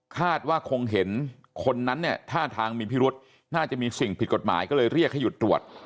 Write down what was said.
คาดว่าคงเห็นคนนั้นเนี่ยท่าทางมีพิรุษน่าจะมีสิ่งผิดกฎหมายก็เลยเรียกให้หยุดตรวจ